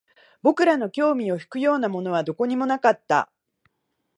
僕らの興味を引くようなものはどこにもなかった